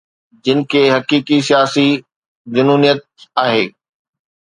جن کي حقيقي سياسي جنونيت آهي